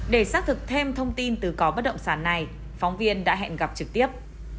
để xác thực thêm thông tin từ cò bất động sản này phóng viên đã hẹn gặp trực tiếp